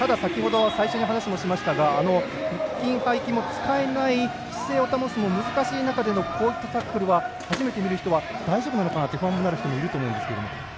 最初に話もしましたが腹筋、背筋も使えない、姿勢を保つのが難しい中でのタックルは初めて見る人は大丈夫なのかなと不安になる人もいると思うんですけれども。